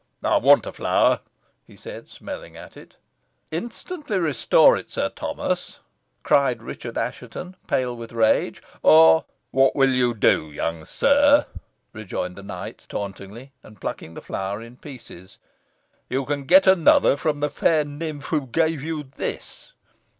"I want a flower," he said, smelling at it. "Instantly restore it, Sir Thomas!" cried Richard Assheton, pale with rage, "or " "What will you do, young sir?" rejoined the knight tauntingly, and plucking the flower in pieces. "You can get another from the fair nymph who gave you this."